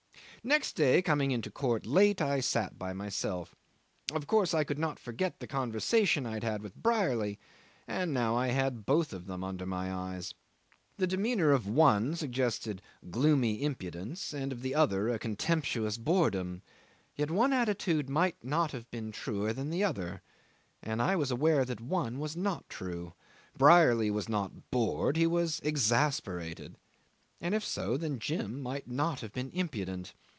'Next day, coming into court late, I sat by myself. Of course I could not forget the conversation I had with Brierly, and now I had them both under my eyes. The demeanour of one suggested gloomy impudence and of the other a contemptuous boredom; yet one attitude might not have been truer than the other, and I was aware that one was not true. Brierly was not bored he was exasperated; and if so, then Jim might not have been impudent.